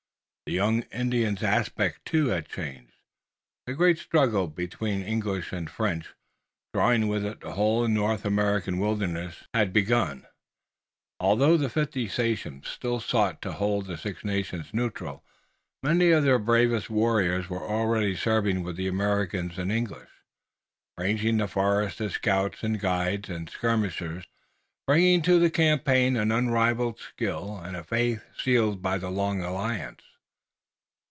The young Indian's aspect, too, had changed. The great struggle between English and French, drawing with it the whole North American wilderness, had begun and, although the fifty sachems still sought to hold the Six Nations neutral, many of their bravest warriors were already serving with the Americans and English, ranging the forest as scouts and guides and skirmishers, bringing to the campaign an unrivaled skill, and a faith sealed by the long alliance.